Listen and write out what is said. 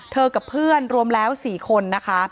กับเพื่อนรวมแล้ว๔คนนะคะ